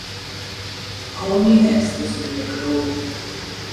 Tony ends this with a groan.